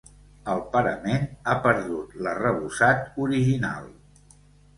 El parament ha perdut l'arrebossat original.